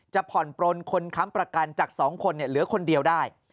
จะผ่อนปลนคนค้ำประกันจากสองคนเนี่ยเหลือคนเดียวได้